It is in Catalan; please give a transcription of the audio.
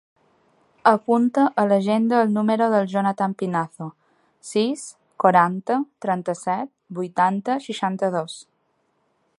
Apunta a l'agenda el número del Jonathan Pinazo: sis, quaranta, trenta-set, vuitanta, seixanta-dos.